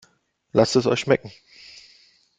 Lasst es euch schmecken!